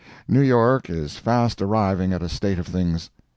New York is fast arriving at a state of things.